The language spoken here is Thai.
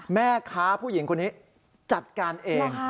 แม่ค้าผู้หญิงคนนี้จัดการเอง